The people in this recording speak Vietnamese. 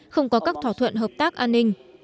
cũng có các thỏa thuận hợp tác an ninh